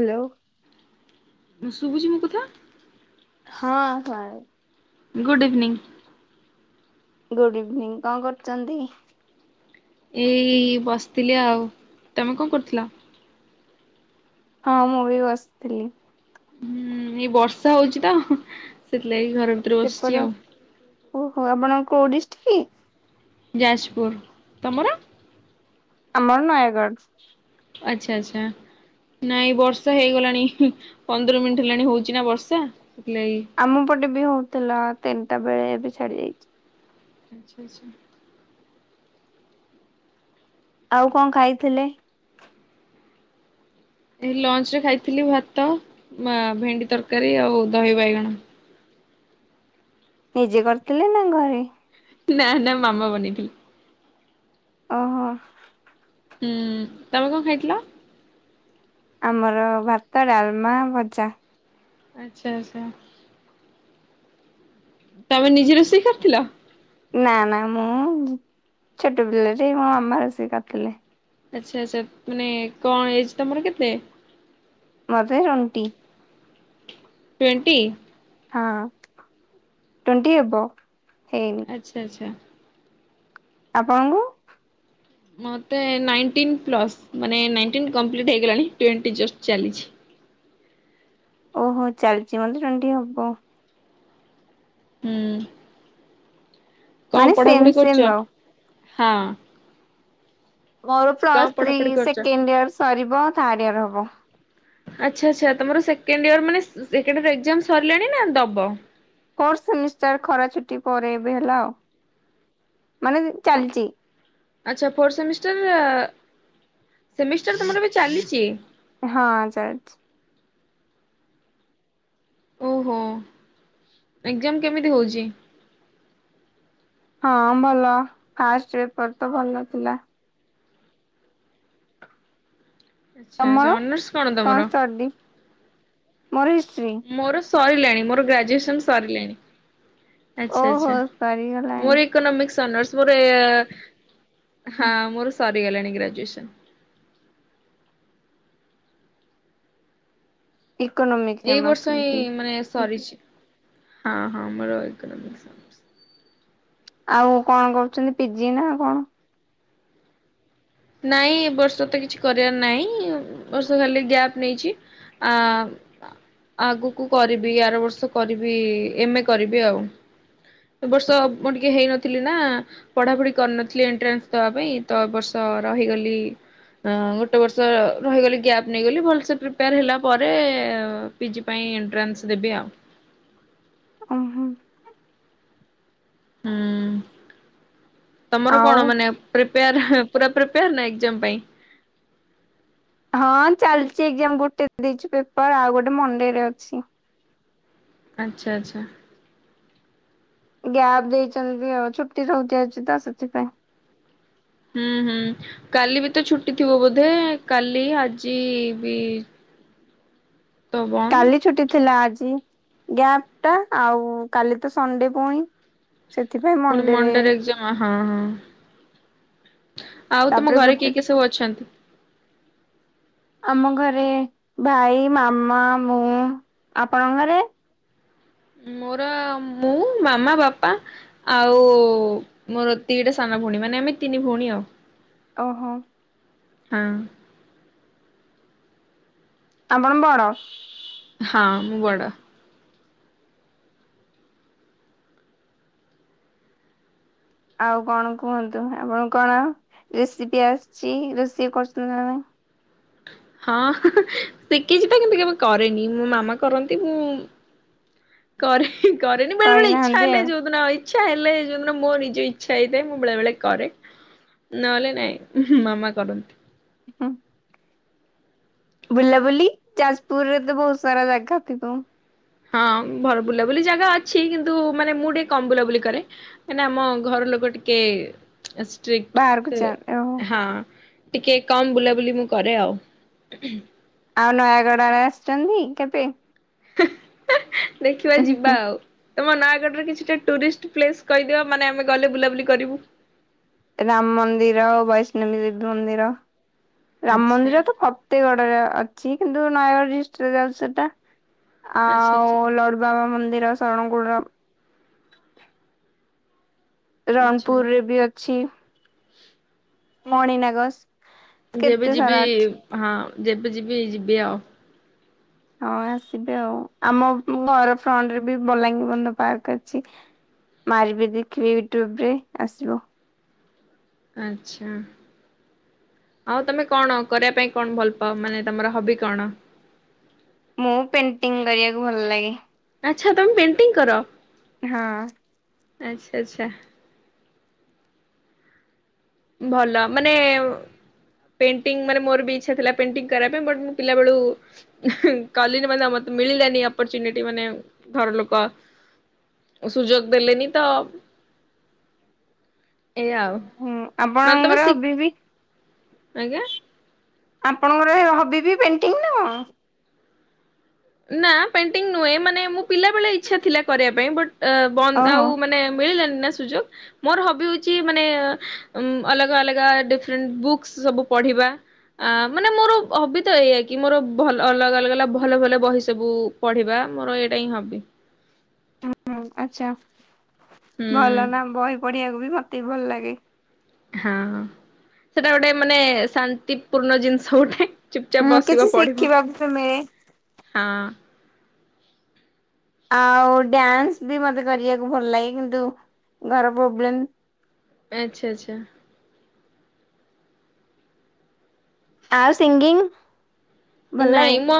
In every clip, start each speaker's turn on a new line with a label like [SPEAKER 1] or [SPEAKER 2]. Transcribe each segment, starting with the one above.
[SPEAKER 1] Hello.
[SPEAKER 2] ମୁଁ ଶୁଭୁଛି ମୋ କଥା?
[SPEAKER 1] ହଁ ଶୁଣାଯାଉ
[SPEAKER 2] ଗୁଡ୍ ଇଭିନିଂ।
[SPEAKER 1] ଗୁଡ୍ ଇଭିନିଂ, କଣ କରୁଛନ୍ତି?
[SPEAKER 2] ଏଇ ବସିଥିଲି ଆଉ, ତମେ କଣ କରୁଥିଲ?
[SPEAKER 1] ହଁ ମୁଁ ବି ବସିଥିଲି।
[SPEAKER 2] ହୁଁ ଏଇ ବର୍ଷା ହଉଛି ତ, ସେଥିଲାଗି ଘର ଭିତରେ ବସିଛି
[SPEAKER 1] ସେପଟ
[SPEAKER 2] ଆଉ।
[SPEAKER 1] ଓ ହୋ ଆପଣଙ୍କ କୋଉ ଡିଷ୍ଟ୍ରି କି?
[SPEAKER 2] ଯାଜପୁର। ତମର?
[SPEAKER 1] ଆମର ନୟାଗଡ଼।
[SPEAKER 2] ଆଚ୍ଛା ଆଚ୍ଛା। ନାଇଁ ବର୍ଷା ହେଇଗଲାଣି, ପନ୍ଦର ମିନିଟ୍ ହେଲାଣି ହଉଚି ନା ବର୍ଷା ସେଥିଲାଗି।
[SPEAKER 1] ଆମ ପଟେ ବି ହଉଥିଲା ତିନିଟା ବେଳେ, ଏବେ ଛାଡି ଯାଇଛି।
[SPEAKER 2] ଆଚ୍ଛା ଆଚ୍ଛା।
[SPEAKER 1] ଆଉ କଣ ଖାଇଥିଲେ?
[SPEAKER 2] ଏଇ ଲଞ୍ଚରେ ଖାଇଥିଲି ଭାତ, ମା ଭେଣ୍ଡି ତରକାରୀ, ଆଉ ଦହି ବାଇଗଣ।
[SPEAKER 1] ନିଜେ କରିଥିଲେ, ନା ଘରେ?
[SPEAKER 2] ନା- ନା ମାମା ବନେଇଥିଲେ।
[SPEAKER 1] ଓ ହୋ।
[SPEAKER 2] ହୁଁ ତମେ କଣ ଖାଇଥିଲ?
[SPEAKER 1] ଆମର ଭାତ, ଡାଲମା, ଭଜା।
[SPEAKER 2] ଆଚ୍ଛା ଆଚ୍ଛା। ତମେ ନିଜେ ରୋଷେଇ କରିଥିଲ?
[SPEAKER 1] ନା- ନା ମୁଁ ଛୋଟ ପିଲାଟେ, ମୋ ମାମା ରୋଷେଇ କରିଥିଲେ।
[SPEAKER 2] ଆଚ୍ଛା ଆଚ୍ଛା ମାନେ କଣ ଏଜ ତମର କେତେ
[SPEAKER 1] ମତେ ରଣ୍ଟି
[SPEAKER 2] ଟ୍ୱେଣ୍ଟି
[SPEAKER 1] ହଁ ଟଣ୍ଟି ଅବ ହେଇନି
[SPEAKER 2] ଆଚ୍ଛା ଆଚ୍ଛା
[SPEAKER 1] ଆପଣଙ୍କୁ
[SPEAKER 2] ମୋତେ ନାଇଣ୍ଟିନ୍ ପ୍ଲସ୍ ମାନେ ନାଇଣ୍ଟିନ୍ କମ୍ପ୍ଲିଟ୍ ହେଇଗଲାଣି ଟ୍ୱେଣ୍ଟି ଜଷ୍ଟ ଚାଲିଛି
[SPEAKER 1] ଓହୋ ଚାଲିଛି ମତେ ଟଣ୍ ହବ [unintelligible]
[SPEAKER 2] ହୁଁ କଣ
[SPEAKER 1] ମାନେ ସେମ୍
[SPEAKER 2] ପଢାପଢି
[SPEAKER 1] ସେମ୍
[SPEAKER 2] କରୁଛ
[SPEAKER 1] ଆଉ
[SPEAKER 2] ହଁ
[SPEAKER 1] ମୋର
[SPEAKER 2] କଣ
[SPEAKER 1] ପ୍ଲସ ଥ୍ରୀ
[SPEAKER 2] ପଢାପଢି କରୁଛ?
[SPEAKER 1] ସେକେଣ୍ଡ ଇୟର ସରିବ ଥାର୍ଡ ଇୟର ହବ
[SPEAKER 2] ଆଚ୍ଛା ଆଚ୍ଛା ତମର ସେକେଣ୍ଡ ଇୟର ମାନେ ସେକେଣ୍ଡ ଇୟର ଏକ୍ଜାମ ସରିଲାଣି ନା ଦବ
[SPEAKER 1] ଫର୍ଥ ସେମିଷ୍ଟାର ଖରା ଛୁଟି ପରେ ଏବେ ହେଲା ଆଉ ମାନେ ଚାଲିଛି
[SPEAKER 2] ଆଚ୍ଛା ଫୋର୍ଥ ସେମିଷ୍ଟାର ସେମିଷ୍ଟାର ତମର ଏବେ ଚାଲିଛି
[SPEAKER 1] ହଁ ଚାଲିଛି
[SPEAKER 2] ଓହୋ ଏଜ୍ଜାମ କେମିତି ହଉଛି
[SPEAKER 1] ହଁ ଭଲ ଫାଷ୍ଟ ପେପର ତ ଭଲ ଥିଲା
[SPEAKER 2] ଆଚ୍ଛା ଆଚ୍ଛା
[SPEAKER 1] ତମର
[SPEAKER 2] ଅନର୍ସ ତମର?
[SPEAKER 1] କଣ ଷ୍ଟଡୀ ମୋର ହିଷ୍ଟ୍ରୀ
[SPEAKER 2] ମୋର ସଇଲାଣି ମୋର ଗ୍ରାଜୁଏସନ୍ ସରିଲାଣି ଆଚ୍ଛା
[SPEAKER 1] ଓହୋ
[SPEAKER 2] ଆଛା
[SPEAKER 1] ସରିଗଲାଣି।
[SPEAKER 2] ମୋର ଏ ଇକନ‌ମିକ୍ସ ଅନର୍ସ ମୋର ଏ ଏ ହଁ ମୋର ସରିଗଲାଣି ଗ୍ରାଜୁଏସନ୍
[SPEAKER 1] ଇୋକନୋମିକ୍
[SPEAKER 2] ଏଇ ବର୍ଷ ହିଁ ମାନେ ସରିଛି ହଁ ହଁ ମର ଇକନମିକ୍
[SPEAKER 1] ଆଉ କଣ କରୁଛନ୍ତି ପିଜି ନା କଣ
[SPEAKER 2] ନାଇଁ ଏ ବର୍ଷ ତ କିଛି କରିବାର ନାହିଁ ବର୍ଷ ଖାଲି ଗ୍ୟାପ୍ ନେଇଛି ଆ ଆଗକୁ କରିବି ଆର ବର୍ଷ କରିବି ଏମଏ କରିବି ଆଉ ବର୍ଷ ମୁଁ ଟିକେ ହେଇନଥିଲି ନା ପଢାପଢି କରିନଥିଲି ଏଣ୍ଟ୍ରାନ୍ସ ଦବା ପାଇଁ ତ ବର୍ଷ ତ ରହିଗଲି ଅ ଗୋଟେ ବର୍ଷ ରହିଗଲି ଗ୍ୟାପ୍ ନେଇଗଲି ଭଲସେ ପ୍ରିପେୟାର ହେଲା ପରେ ପିଜି ପାଇଁ ଏଣ୍ଟ୍ରାନ୍ସ ଦେବି ଆଉ
[SPEAKER 1] ଓ ହୋ
[SPEAKER 2] ହୁଁ ତମର
[SPEAKER 1] ଆଉ
[SPEAKER 2] କଣ ମାନେ ପ୍ରିପେୟାର ପୁରା ପ୍ରିପେୟାର ନା ଏକ୍ଜାମ ପାଇଁ
[SPEAKER 1] ହଁ ଚାଲିଛି ଏକ୍ଜାମ ଗୋଟେ ଦେଇଛୁ ପେପର ଆଉ ଗୋଟେ ମଣ୍ଡେରେ ଅଛି
[SPEAKER 2] ଆଚ୍ଛା ଆଚ୍ଛା
[SPEAKER 1] ଗ୍ୟାପ୍ ଦେଇଛନ୍ତି ବି ଆଉ ଛୁଟି ସବୁ ଚାଲିଛି ତ ସେଥିପାଇଁ
[SPEAKER 2] ହୁଁ ହୁଁ କାଲି ବି ତ ଛୁଟି ଥିବ ବୋଧେ କାଲି ଆଜି ବି
[SPEAKER 1] [inaudible]
[SPEAKER 2] ତ ବନ୍ଦ
[SPEAKER 1] କାଲି ଛୁଟି ଥିଲା ଆଜି ଗ୍ୟାପ ଟା ଆଉ କାଲି ତ ସଣ୍ଡେ ପୁଣି ସେଥିପାଇଁ
[SPEAKER 2] ପୁଣି
[SPEAKER 1] ମଣ୍ଡେରେ
[SPEAKER 2] ମଣ୍ଡରେ ଏକ୍ଜାମ ହଁ ହଁ ଆଉ ତମ
[SPEAKER 1] ତାପରେ
[SPEAKER 2] ଘରେ
[SPEAKER 1] ଗୋଟେ
[SPEAKER 2] କିଏ କିଏ ସବୁ ଅଛି ଛନ୍ତି
[SPEAKER 1] ଆମ ଘରେ ଭାଇ ମାମା ମୁଁ ଆପଣଙ୍କ ଘରେ
[SPEAKER 2] ମୋର ମୁଁ ମାମା ବାପା ଆଉ ମୋର ଦିଟା ସାନ ଭଉଣୀ ମାନେ ଆମେ ତିନି ଭଉଣୀ ଆଉ।
[SPEAKER 1] ଓହୋ
[SPEAKER 2] ହଁ।
[SPEAKER 1] ଆପଣ ବଡ?
[SPEAKER 2] ହଁ ମୁଁ ବଡ।
[SPEAKER 1] ଆଉ କଣ କୁହନ୍ତୁ ଆପଣ କଣ ରେସିପି ଆସିଚି ରୋଷେଇ କରୁଛନ୍ତି ନା ନାଇଁ?
[SPEAKER 2] ହଁ ଶିଖିଛି ତ କିନ୍ତୁ କେବେ କରେନି ମୋ ମାମା କରନ୍ତି ମୁଁ କରେ କରେନି ବେଳେ ବେଳେ ଇଚ୍ଛା
[SPEAKER 1] କରିନାହାନ୍ତି
[SPEAKER 2] ହେଲେ
[SPEAKER 1] ଆଉ
[SPEAKER 2] ଯୋଉଦିନ ଏ ଇଚ୍ଛା ହେଲେ ଯୋଉଦିନ ମୋ ନିଜ ଇଚ୍ଛା ହେଇଥାଏ ମୁଁ ବେଳେ ବଳେ କରେ ନହେଲେ ନାଇଁ ମାମା କରନ୍ତି।
[SPEAKER 1] ହୁଁ। ବୁଲାବୁଲି ଯାଜପୁର ରେ ତ ବହୁତ ସାରା ଜାଗା ଥିବ?
[SPEAKER 2] ହଁ ଭ ବୁଲାବୁଲି ଜାଗା ଅଛି କିନ୍ତୁ ମାନେ ମୁଁ ଟିକେ କମ ବୁଲାବୁଲି କରେ କ ଆମ ଘର ଲୋକ ଟିକେ ଏ
[SPEAKER 1] ବାହାରକୁ ଯା ଓହୋ
[SPEAKER 2] ଷ୍ଟ୍ରିକଟ ହଁ ଟିକେ କମ ବୁଲାବୁଲି ମୁଁ କରେ ଆଉ।
[SPEAKER 1] ଆଉ ନୟାଗଡ଼ ଆଡ଼େ ଆସିଛନ୍ତି କେବେ?
[SPEAKER 2] ଦେଖିବା
[SPEAKER 1] ହୁଁ
[SPEAKER 2] ଯିବା
[SPEAKER 1] ହୁଁ।
[SPEAKER 2] ଆଉ। ତମ ନୟାଗଡ଼ରେ କିଛିଟା ଟୁରିଷ୍ଟ ପ୍ଲେସ୍ କହିଦିଅ ମାନେ ଆମେ ଗଲେ ବୁଲାବୁଲି କରିବୁ।
[SPEAKER 1] ରାମ ମନ୍ଦିର ବୈଷ୍ଣବୀ ମନ୍ଦିର ରାମ
[SPEAKER 2] ଆଚ୍ଛା
[SPEAKER 1] ମନ୍ଦିର ତ ଫତେଗଡରେ ଅଛି କିନ୍ତୁ ନୟାଗଡ଼ ଡିଷ୍ଟ୍ରିକ୍ଟରେ ଯାଉ ସେଟା
[SPEAKER 2] ଆଚ୍ଛା
[SPEAKER 1] ଆଉ
[SPEAKER 2] ଆଚ୍ଛା
[SPEAKER 1] ଲଡ ବାବା ମନ୍ଦିର ଶରଣକୁଳ
[SPEAKER 2] ଆଚ୍ଛା।
[SPEAKER 1] ରଣପୁରରେ ବି ଅଛି।
[SPEAKER 2] [unintelligible]
[SPEAKER 1] ମଣିନାଗ ସ
[SPEAKER 2] ଯେବେ ଯିବି ହଁ ଯେବେ ଯିବି ଯିବି ଆଉ।
[SPEAKER 1] ହଁ ଆସିବେ ଆଉ ଆମ ଘର ଫ୍ରଣ୍ଟ ରେ ବି ବଲାଙ୍ଗୀ ବନ୍ଧ ପାର୍କ ଅଛି। ମାରିବି ଦେଖିବି ୟୁଟ୍ୟୁବରେ ଆସିବ।
[SPEAKER 2] ଆଛା। ଆଉ ତମେ କଣ କରିବା ପାଇଁ କଣ ଭଲ ପାଅ ମାନେ ତମର ହବି କଣ?
[SPEAKER 1] ମୁଁ ପେଣ୍ଟିଂ କରିବାକୁ ଭଲ ଲାଗେ।
[SPEAKER 2] ଆଚ୍ଛା ତମେ ପେଣ୍ଟିଂ କର?
[SPEAKER 1] ହଁ।
[SPEAKER 2] ଆଚ୍ଛା ଆଚ୍ଛା। ଭଲ ମାନେ ଏ ପେଣ୍ଟିଙ୍ଗ ମାନେ ମୋର ବି ଇଛା ଥିଲା ପେଣ୍ଟିଂ କରିବା ପାଇଁ ବଟ ମୁଁ ପିଲା ବଳୁ କାଲି ନ ମାନେ ମୋତେ ମିଳିିଲାନି ଅପର୍ଚୁନିଟି ମାନେ ଘର ଲୋକ ସୁଯୋଗ ଦେଲେନି ତ ଏୟା ଆଉ।
[SPEAKER 1] ହୁଁ
[SPEAKER 2] ମାନେ ତମେ
[SPEAKER 1] ଆପଣଙ୍କର
[SPEAKER 2] ଶି
[SPEAKER 1] ବି ହବି?
[SPEAKER 2] ଆଜ୍ଞା।
[SPEAKER 1] ଆପଣଙ୍କର ହବି ବି ପେଣ୍ଟିଙ୍ଗ ନା କଣ?
[SPEAKER 2] ନା ପେଣ୍ଟିଙ୍ଗ ନୁହେଁ ମାନେ ମୁଁ ପିଲାବେେଳେ ଇଚ୍ଛା ଥିଲା କରିବା ପାଇଁ ବଟ ଅ ବନ୍ଦ
[SPEAKER 1] ଓହୋ
[SPEAKER 2] ଆଉ ମାନେ ମିଳିଲାଣିି ନା ସୁଯୋଗ ମୋର ହବି ହଉଛି ମାନେ ଅଲଗା ଅଲଗା ଡିରେଣ୍ଟ ବୁକ୍ସ ସବୁ ପଢିବା ଆ ମାନେ ମୋର ହବି ତ ଏଇଆ କି ମୋର ଭଲ ଅଲଗା ଅଲଗା ଭଲ ଭଲ ବ ବହି ସବୁ ପଢିବା ମୋର ଏଇଟା ହିଁ ହବି।
[SPEAKER 1] ହୁଁ ହୁଁ ଆଚ୍ଛା।
[SPEAKER 2] ହୁଁ
[SPEAKER 1] ଭଲ ନା ବହି ପଢିବାକୁ ବି ମତେ ବି ଭଲ ଲାଗେ।
[SPEAKER 2] ହଁ, ସେଟା ଗୋଟେ ମାନେ ଶାନ୍ତିପୂର୍ଣ୍ଣ ଜିନିଷ ଗୋଟେ। ଚୁପଚାପ୍
[SPEAKER 1] ମୁଁ କିଛି
[SPEAKER 2] ବସିବ, ପଢିବ
[SPEAKER 1] ଶିଖିବାକୁ ବି ମିଳେ
[SPEAKER 2] ହଁ।
[SPEAKER 1] ଆଉ ଡ୍ୟାନ୍ସ ବି ମତେ କରିବାକୁ ଭଲ ଲାଗେ। କିନ୍ତୁ ଘର ପ୍ରୋବ୍ଲେମ
[SPEAKER 2] ଆଚ୍ଛା ଆଚ୍ଛା।
[SPEAKER 1] ଆଉ ସିଙ୍ଗିଙ୍ଗ।
[SPEAKER 2] ନାଇଁମ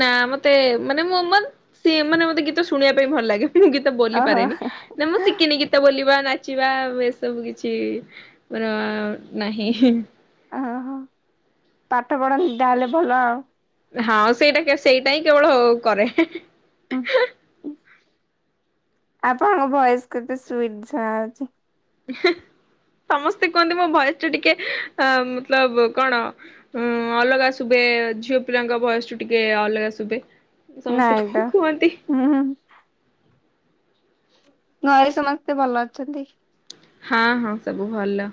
[SPEAKER 2] ନାଁ ମତେ ମାନେ ମୁଁ ସେ ମାନେ ମତେ ଗୀତ ଶୁଣିବା ପାଇଁ ଭଲ ଲାଗେ। ମୁଁ ଗୀତ ବୋଲି
[SPEAKER 1] ଓହୋ
[SPEAKER 2] ପାରେନି। ନାଁ ମୁଁ ଶିଖିନି ଗୀତ। ଗୀତ ବୋଲିବା, ନାଚିବା ଏସବୁ କିଛି ମୋର ନାହିଁ।
[SPEAKER 1] ଓହୋ ପାଠ ପଢନ୍ତି ତାହେଲେ ଭଲ ଆଉ।
[SPEAKER 2] ହଁ ସେଇଟା କେ ସେଇଟା ହିଁ କେବଳ କରେ।
[SPEAKER 1] ଆପଣଙ୍କ ଭଏସ୍ କେତେ ସୁଇଟ୍ ଶୁଣା ଯାଉଛି।
[SPEAKER 2] ସମସ୍ତେ କୁହନ୍ତି ମୋ ଭଏସ୍ ଟା ଟିକେ, ଅ ମତଲବ କଣ? ଉଁ ଅଲଗା ଶୁଭେ ଝିଅ ପିଲାଙ୍କ ଭଏସ୍ ଠୁ ଟିକେ ଅଲଗା ଶୁଭେ। ସମସ୍ତେ କଣ
[SPEAKER 1] ନାଇଁତ।
[SPEAKER 2] କୁହନ୍ତି
[SPEAKER 1] ଘରେ ସମସ୍ତେ ଭଲ ଅଛନ୍ତି?
[SPEAKER 2] ହଁ ହଁ, ସବୁ ଭଲ।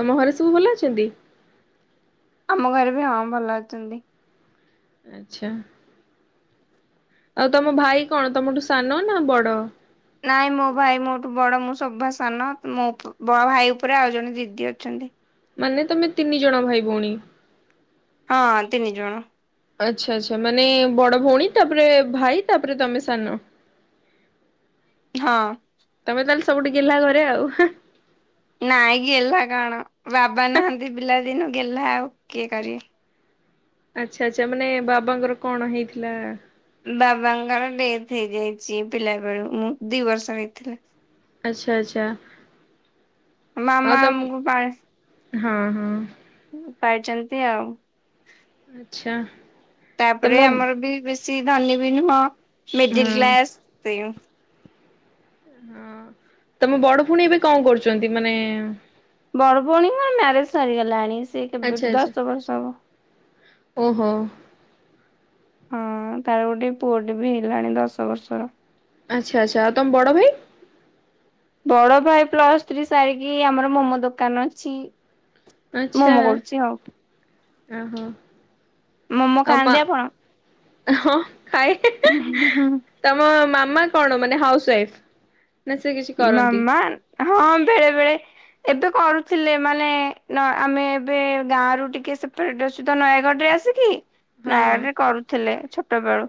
[SPEAKER 2] ତମ ଘରେ ସବୁ ଭଲ ଅଛନ୍ତି?
[SPEAKER 1] ଆମ ଘରେ ବି ହଁ ଭଲ ଅଛନ୍ତି।
[SPEAKER 2] ଆଚ୍ଛା। ଆଉ ତମ ଭାଇ କଣ ତମଠୁ ସାନ ନା ବଡ?
[SPEAKER 1] ନାଇଁ ମୋ ଭାଇ ମୋଠୁ ବଡ। ମୁଁ ସଭା ସାନ। ମୋ ବଡ ଭାଇ ଉପରେ ଆଉ ଜଣେ ଦିଦି ଅଛନ୍ତି।
[SPEAKER 2] ମାନେ ତମେ ତିନି ଜଣ ଭାଇ ଭଉଣୀ।
[SPEAKER 1] ହଁ ତିନି ଜଣ।
[SPEAKER 2] ଆଚ୍ଛା ଆଚ୍ଛା, ମାନେ ବଡ ଭଉଣୀ ତାପରେ ଭାଇ ତାପରେ ତମେ ସାନ।
[SPEAKER 1] ହଁ।
[SPEAKER 2] ତମେ ତାହେଲେ ସବୁଠୁ ଗେହ୍ଲା ଘରେ ଆଉ।
[SPEAKER 1] ନାଇଁ ଗେହ୍ଲା କଣ? ବାବା ନାହାନ୍ତି ପିଲାଦିନୁ ଗେହ୍ଲା ଆଉ କିଏ କରିବେ?
[SPEAKER 2] ଆଚ୍ଛା ଆଚ୍ଛା। ମାନେ ବାବାଙ୍କର କଣ ହେଇଥିଲା?
[SPEAKER 1] ବାବାଙ୍କର ଡେଥ ହେଇଯାଇଛି ପିଲା ବେଳୁ ମୁଁ ଦି ବର୍ଷ ହେଇଥିଲା।
[SPEAKER 2] ଆଚ୍ଛା ଆଚ୍ଛା। ଆଉ
[SPEAKER 1] ମାମା
[SPEAKER 2] ତମ
[SPEAKER 1] ଆମକୁ ପାଳି
[SPEAKER 2] ହଁ ହଁ।
[SPEAKER 1] ପାଳିଛନ୍ତି ଆଉ।
[SPEAKER 2] ଆଚ୍ଛା। ତମ
[SPEAKER 1] ତାପରେ ଆମର ବି ବେଶୀ ଧନୀ ବି ନୁହଁ,
[SPEAKER 2] ହଁ
[SPEAKER 1] ମିଡିଲ
[SPEAKER 2] ହଁ।
[SPEAKER 1] କ୍ଲାସ।
[SPEAKER 2] ହଁ, ତମ ବଡ ଭଉଣୀ ଏବେ କଣ କରୁଛନ୍ତି? ମାନେ
[SPEAKER 1] ବଡ ଭଉଣୀଙ୍କର ମ୍ୟାରେଜ ସରିଗଲାଣି, ସିଏ
[SPEAKER 2] ଆଚ୍ଛା
[SPEAKER 1] କେବେଠୁ
[SPEAKER 2] ଆଚ୍ଛା
[SPEAKER 1] ଦଶ ବର୍ଷ ହବ।
[SPEAKER 2] ଓହୋ।
[SPEAKER 1] ହଁ, ତାର ଗୋଟେ ପୁଅଟେ ବି ହେଇଗଲାଣି ଦଶ ବର୍ଷର।
[SPEAKER 2] ଆଚ୍ଛା ଆଚ୍ଛା ଆଉ ତମ ବଡ଼ ଭାଇ?
[SPEAKER 1] ବଡ ଭାଇ ପ୍ଲସ ଥ୍ରୀ ସାରିକି ଆମର ମୋମୋ ଦୋକାନ ଅଛି।
[SPEAKER 2] ଆଚ୍ଛା,
[SPEAKER 1] ମୋମୋ କରୁଛି ଆଉ
[SPEAKER 2] ଓ ହୋ।
[SPEAKER 1] ମୋମୋ ଖାଆନ୍ତି ଆପଣ?
[SPEAKER 2] ହଁ ଖାଏ। ତମ ମାମା କଣ ମାନେ ହାଉସୱାଇଫ୍?
[SPEAKER 1] ମାମା ହଁ ବେଳେ ବେଳେ ଏବେ କରୁଥିଲେ ମାନେ ନ ଆମେ ଏବେ ଗାଁରୁ ଟିକେ ସେପଟ ସୁଧା ନୟାଗଡରେ ଆସି କି
[SPEAKER 2] ହଁ ହଁ
[SPEAKER 1] ନୟାଗଡରେ କରୁଥିଲେ ଛୋଟବେଳୁ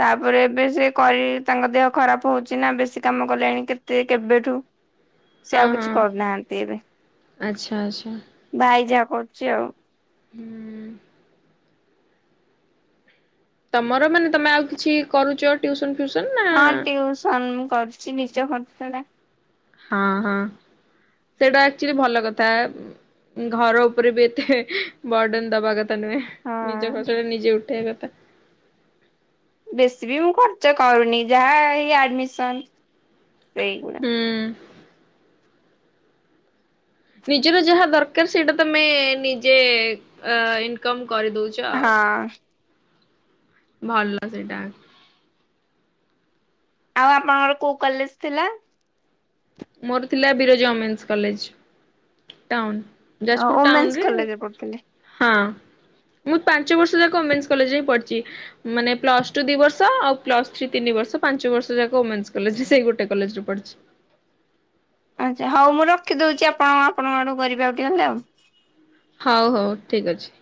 [SPEAKER 1] ତାପରେ ଏବେ ସେ କରି ତାଙ୍କ ଦେହ ଖରାପ ହୋଉଚି ନା ବେଶୀ କାମ କଲେଣି କେ ତେ କେବେଠୁ ସେ
[SPEAKER 2] ହଁ
[SPEAKER 1] ଆଉ କିଛି
[SPEAKER 2] ହଁ
[SPEAKER 1] କରୁନାହାନ୍ତି ଏବେ।
[SPEAKER 2] ଆଚ୍ଛା ଆଚ୍ଛା।
[SPEAKER 1] ଭାଇ ଯାହା କରୁଚି ଆଉ।
[SPEAKER 2] ହୁଁ। ତମର ମାନେ ତମେ ଆଉ କିଛି କରୁଚ ଟ୍ୟିସନ ଫ୍ୟିସନ ନା
[SPEAKER 1] ହଁ ଟ୍ୟିଉସନ ମୁଁ କରୁଚି ନିଜ ଖର୍ଚଟା।
[SPEAKER 2] ହଁ ହଁ। ସେଇଟା ଆକଚ୍ୟୁଆଲି ଭଲ କଥା। ଉଁ ଘର ଉପରେ ବି ଏତେ ବର୍ଡନ ଦବା କ ଥା ନୁହେଁ। ନିଜ
[SPEAKER 1] ହଁ।
[SPEAKER 2] ଖର୍ଚ୍ଚଟା ନିଜେ ଉଠେଇବା କଥା।
[SPEAKER 1] ବେଶୀ ବି ମୁଁ ଖର୍ଚ୍ଚ କରୁନି ଯାହା ଏଇ ଆଡମିସନ୍ ସେଇଗୁଡା।
[SPEAKER 2] ହୁଁ ନିଜର ଯାହା ଦରକାର ସେଇଟା ତମେ ନିଜେ ଆ ଇନକମ୍ କରିଦୋଉ
[SPEAKER 1] ହଁ।
[SPEAKER 2] ଭଲ ସେଇଟା।
[SPEAKER 1] ଆଉ ଆପଣଙ୍କର କୋଉ କଲେଜ ଥିଲା?
[SPEAKER 2] ମୋର ଥିଲା Biraja women's college town. Jajpur
[SPEAKER 1] women's
[SPEAKER 2] ଟାଉନରେ
[SPEAKER 1] କଲେଜରେ ପଢୁଥିଲେ।
[SPEAKER 2] ହଁ। ମୁଁ ପାଞ୍ଚ ବର୍ଷ ଯାକ ଓମେନ୍ସ କଲେଜରେ ହିଁ ପଢିଚି। ମାନେ ପ୍ଲସଟୁ ଦି ବର୍ଷ ଆଉ ପ୍ଲସ ଥ୍ରୀ ତିନି ବର୍ଷ ପାଞ୍ଚ ବର୍ଷ ଯାକ ଓମେନ୍ସ କଲେଜରେ ସେଇ ଗୋଟେ କଲେଜରେ ପଢଚି।
[SPEAKER 1] ଆଚ୍ଛା ହୋଉ ମୁଁ ରଖିଦୋଉଚି। ଆପଣ ଆପଣଙ୍କ ଆଡକୁ କରିବେ ଆଉ ଟିକେ ଗଲେ ଆଉ।
[SPEAKER 2] ହୋଉ ହୋଉ ଠିକ୍ ଅଛି।